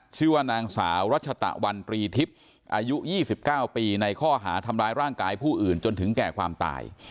ชื่อว่านางสาวรัชตะวันตรีทิพย์อายุ๒๙ปีในข้อหาทำร้ายร่างกายผู้อื่นจนถึงแก่ความตาย